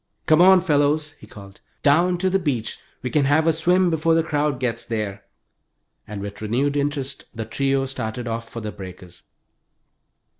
"Come on, fellows!" he called. "Down to the beach! We can have a swim before the crowd gets there." And with renewed interest the trio started off for the breakers.